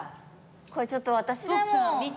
これちょっと私でも。